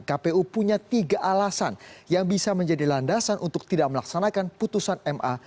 kpu punya tiga alasan yang bisa menjadi landasan untuk tidak melaksanakan putusan ma